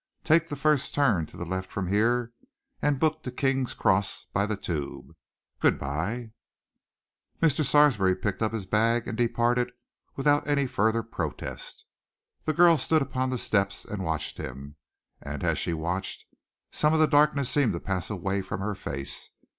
Take the first turn to the left from here, and book to King's Cross by the Tube. Good bye!" Mr. Sarsby picked up his bag and departed without any further protest. The girl stood upon the steps and watched him, and as she watched, some of the darkness seemed to pass away from her face.